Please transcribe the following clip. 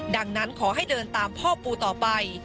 ดังนั้นขอให้เดินตามพ่อปูต่อไป